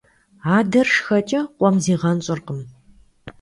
Адэр шхэкӀэ къуэм зигъэнщӀыркъым.